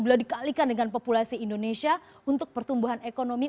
bila dikalikan dengan populasi indonesia untuk pertumbuhan ekonomi